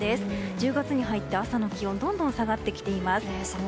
１０月に入って朝の気温どんどん下がってきています。